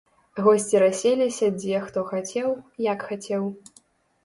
Госці расселіся дзе хто хацеў, як хацеў.